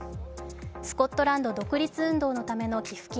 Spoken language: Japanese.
スコットランド独立運動のための寄付金